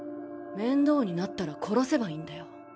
面倒になったら殺せばいいんだよ。